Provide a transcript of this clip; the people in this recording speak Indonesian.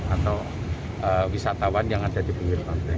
atau wisatawan yang ada di pinggir pantai